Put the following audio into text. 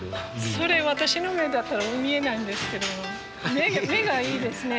それ私の目だったら見えないんですけども目がいいですね。